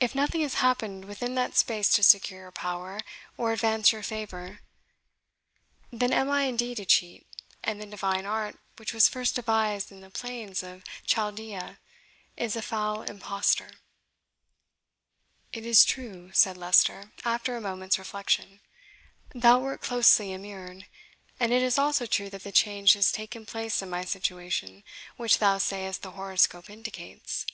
If nothing has happened within that space to secure your power, or advance your favour, then am I indeed a cheat, and the divine art, which was first devised in the plains of Chaldea, is a foul imposture." "It is true," said Leicester, after a moment's reflection, "thou wert closely immured; and it is also true that the change has taken place in my situation which thou sayest the horoscope indicates."